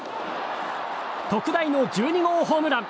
特大の１２号ホームラン。